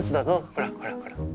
ほらほらほら。